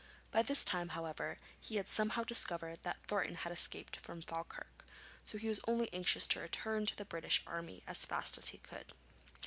By this time, however, he had somehow discovered that Thornton had escaped from Falkirk, so he was only anxious to return to the British army as fast as he could.